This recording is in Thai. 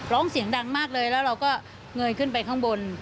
ร้องเสียงดังมากเลยแล้วเราก็เงยขึ้นไปข้างบน